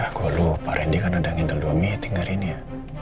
ah gue lupa randy kan ada ngindel dua meeting hari ini ya